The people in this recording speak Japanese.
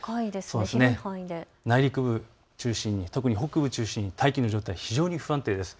内陸部中心に、特に北部中心に大気の状態、非常に不安定です。